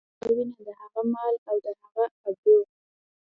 د هغه وينه، د هغه مال او د هغه ابرو.